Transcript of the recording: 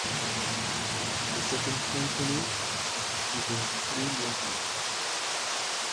The Second Symphony is in three movements.